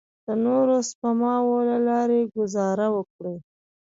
د نورو سپماوو له لارې ګوزاره وکړئ.